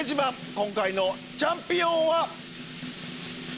今回のチャンピオンは。